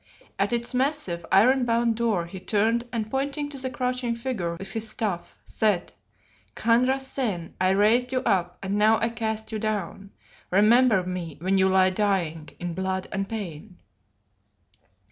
At its massive, iron bound door he turned and pointing to the crouching figure with his staff, said "Khan Rassen, I raised you up, and now I cast you down. Remember me when you lie dying in blood and pain."